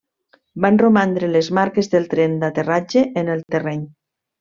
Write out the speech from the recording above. Van romandre les marques del tren d'aterratge en el terreny.